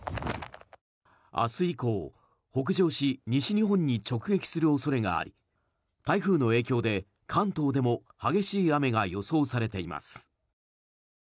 明日以降、北上し西日本に直撃する恐れがあり台風の影響で関東でも激しい雨が予想されています。